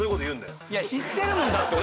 いや知ってるもんだって！